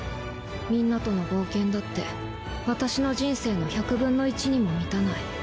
みんなとの冒険だって、私の人生の１００分の１にも満たない。